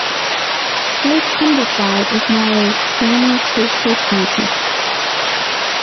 South Humberside is now a "former postal county".